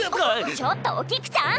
ちょっとお菊ちゃん！